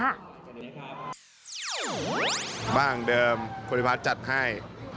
บ้านอย่างเดิมคุณพิพัฒน์จัดให้